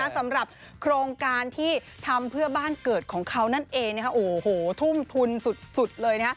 สำหรับโครงการที่ทำเพื่อบ้านเกิดของเขานั่นเองโอ้โหทุ่มทุนสุดเลย